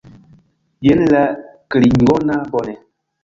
Jen la klingona, bone!